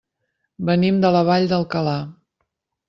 Venim de la Vall d'Alcalà.